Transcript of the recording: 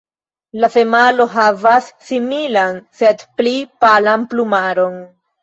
La femalo havas similan, sed pli palan plumaron.